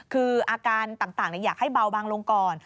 คืออาการต่างอยากให้เบาบางลงก่อน